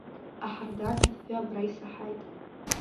Аҳардан афҩы абра исаҳаит.